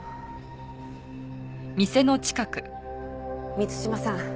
満島さん。